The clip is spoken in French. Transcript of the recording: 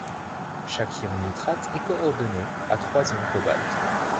Chaque ion nitrate est coordonné à trois ions cobalt.